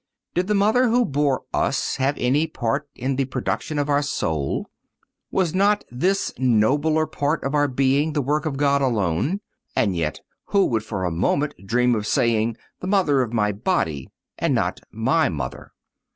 Did the mother who bore us have any part in the production of our soul? Was not this nobler part of our being the work of God alone? And yet who would for a moment dream of saying "the mother of my body," and not "my mother?"